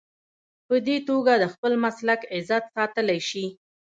په دې توګه د خپل مسلک عزت ساتلی شي.